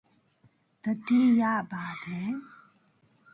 You've got to go back to the house.